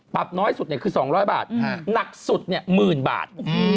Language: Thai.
ปรับน้อยสุดเนี่ยคือ๒๐๐บาทหนักสุดเนี่ย๑๐๐๐๐บาท